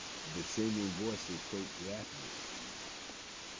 The singing voice approached rapidly.